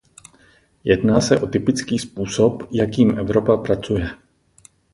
Jedná se o typický způsob, jakým Evropa pracuje.